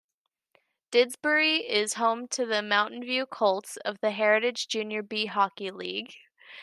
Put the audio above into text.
Didsbury is home to the Mountainview Colts of the Heritage Junior B Hockey League.